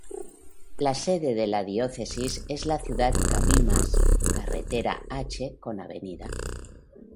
La sede la diócesis es la ciudad Cabimas, carretera H con Av.